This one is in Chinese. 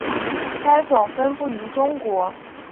该种分布于中国。